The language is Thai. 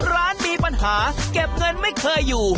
ร้านมีปัญหาเก็บเงินไม่เคยอยู่